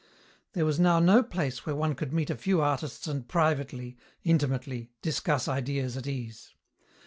There was now no place where one could meet a few artists and privately, intimately, discuss ideas at ease.